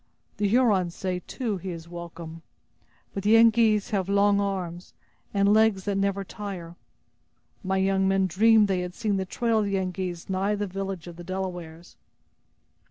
The Hurons say, too, he is welcome. But the Yengeese have long arms, and legs that never tire! My young men dreamed they had seen the trail of the Yengeese nigh the village of the Delawares!"